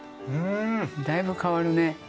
だいぶ変わるね。